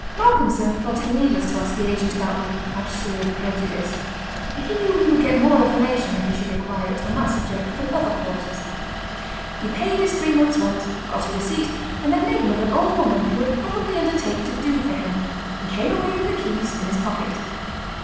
Malcolmson thought it needless to ask the agent about the "absurd prejudice"; he knew he would get more information, if he should require it, on that subject from other quarters. He paid his three months' rent, got a receipt, and the name of an old woman who would probably undertake to "do" for him, and came away with the keys in his pocket.